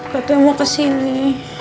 saya mau kesini